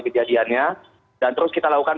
kejadiannya dan terus kita lakukan